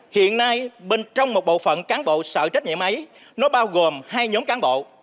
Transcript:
hiện nay trong một bộ phận cán bộ sợ trách nhiệm ấy nó bao gồm hai nhóm cán bộ